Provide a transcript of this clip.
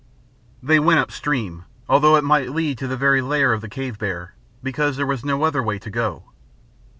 They went up stream, although it might lead to the very lair of the cave bear, because there was no other way to go.